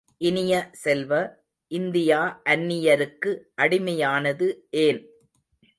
இனிய செல்வ, இந்தியா அந்நியருக்கு அடிமையானது ஏன்?